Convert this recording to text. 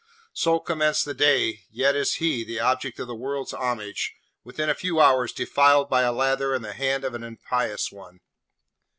So commenced the day, yet is he, the object of the world's homage, within a few hours defiled by a lather and the hand of an impious one!'